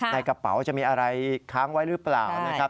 ในกระเป๋าจะมีอะไรค้างไว้หรือเปล่านะครับ